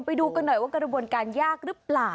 ไปดูกันหน่อยว่ากระบวนการยากหรือเปล่า